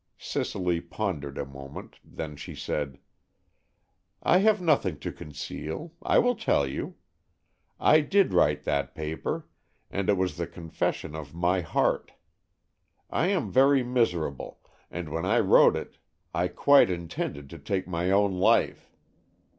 Cicely pondered a moment, then she said, "I have nothing to conceal, I will tell you. I did write that paper, and it was the confession of my heart. I am very miserable, and when I wrote it I quite intended to take my own life.